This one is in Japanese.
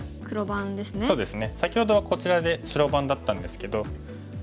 先ほどはこちらで白番だったんですけど。